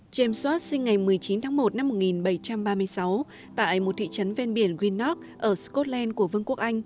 james watt sinh ngày một mươi chín tháng một năm một nghìn bảy trăm ba mươi sáu tại một thị trấn ven biển greenock ở scotland của vương quốc